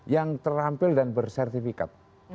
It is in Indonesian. yang terampil dan bersertifikat